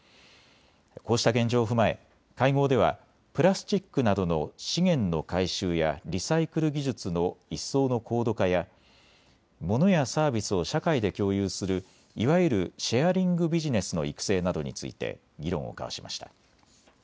こうした現状を踏まえ会合ではプラスチックなどの資源の回収やリサイクル技術の一層の高度化やモノやサービスを社会で共有するいわゆるシェアリングビジネスの育成などについて議論を交わしました。